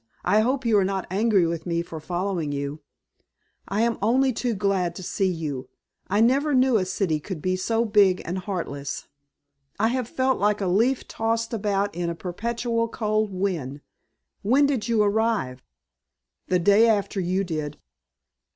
I hope you are not angry with me for following you." "I am only too glad to see you. I never knew a city could be so big and heartless. I have felt like a leaf tossed about in a perpetual cold wind. When did you arrive?" "The day after you did."